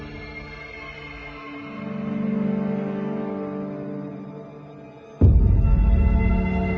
ที่สุดท้ายที่สุดท้าย